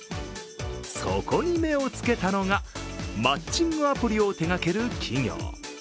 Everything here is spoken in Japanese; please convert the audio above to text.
そこに目をつけたのがマッチングアプリを手がける企業。